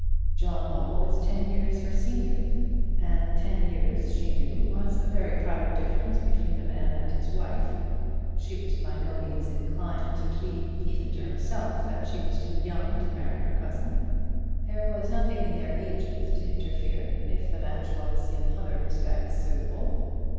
John Ball was ten years her senior; and ten years, she knew, was a very proper difference between a man and his wife. She was by no means inclined to plead, even to herself, that she was too young to marry her cousin; there was nothing in their ages to interfere, if the match was in other respects suitable.